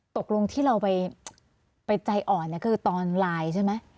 ตกลงที่เราไปใจอ่อนคือตอนไลน์ใช่ไหม